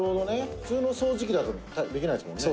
普通の掃除機だとできないですもんね」